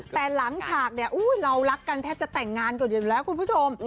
แต่หลังฉากเนี่ยเรารักกันแทบจะแต่งงานก่อนอยู่แล้วคุณผู้ชม